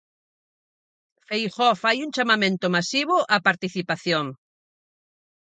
Feijóo fai un chamamento masivo á participación.